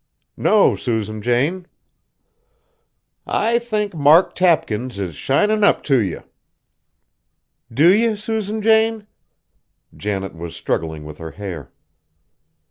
"No, Susan Jane." "I think Mark Tapkins is shinin' up t' you!" "Do you, Susan Jane?" Janet was struggling with her hair.